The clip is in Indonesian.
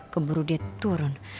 keburu dia turun